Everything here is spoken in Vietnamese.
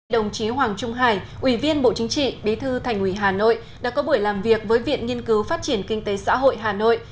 đồng chí hoàng trung hải ủy viên bộ chính trị bí thư thành ủy hà nội đã có buổi làm việc với viện nghiên cứu phát triển kinh tế xã hội hà nội